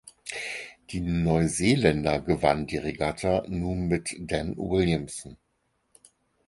Die Neuseeländer gewannen die Regatta nun mit Dan Williamson.